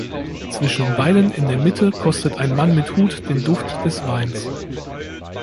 Zwischen beiden in der Mitte kostet ein Mann mit Hut den Duft des Weins.